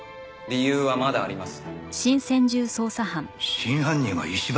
理由はまだあります。